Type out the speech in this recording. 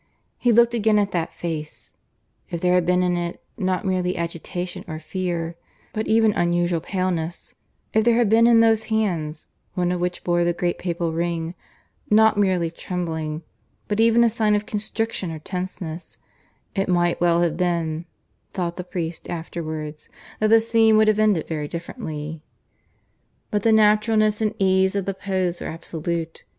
He looked again at that face. If there had been in it, not merely agitation or fear, but even unusual paleness, if there had been in those hands, one of which bore the great Papal ring, not merely trembling, but even a sign of constriction or tenseness, it might well have been, thought the priest afterwards, that the scene would have ended very differently. But the naturalness and ease of the pose were absolute.